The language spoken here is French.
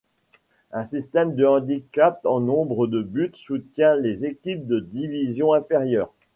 Un système de handicap en nombre de buts soutient les équipes de division inférieure.